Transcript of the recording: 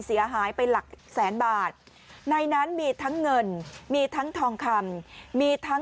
เสียหายไปหลักแสนบาทในนั้นมีทั้งเงินมีทั้งทองคำมีทั้ง